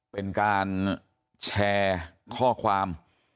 เป็นการแชร์ข้อความ